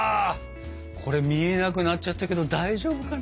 これ見えなくなっちゃったけど大丈夫かな。